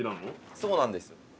そうなんです。